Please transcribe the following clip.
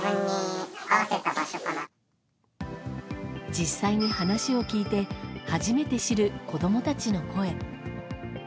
実際に話を聞いて初めて知る子供たちの声。